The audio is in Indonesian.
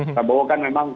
prabowo kan memang kuat